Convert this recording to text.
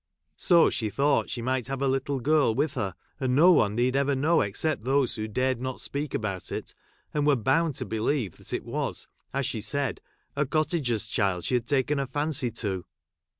So she ^ thought she might have her little girl with || her, and no one need ever know except thofee ■ who dared not speak about it, and were | bound to believe that it was, as she said, a cottager's child she had taken a fancv i to.